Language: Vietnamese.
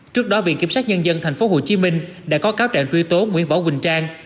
trước đó viện kiểm sát nhân dân tp hcm đã có cáo trạng truy tố nguyễn võ quỳnh trang